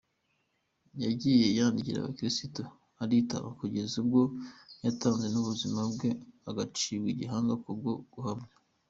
Yagiye yandikira abakristo aritanga kugeza ubwo yatanze n’ubuzima bwe agacibwa igihanga kubwo guhamya.